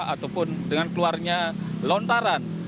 ataupun dengan keluarnya lontaran